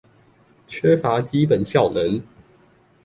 缺乏基本效能